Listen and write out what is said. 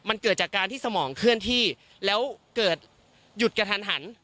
มันเกิดจากการที่สมองเคลื่อนที่แล้วเกิดหยุดกระทันหัน